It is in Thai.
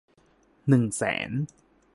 หนึ่งแสน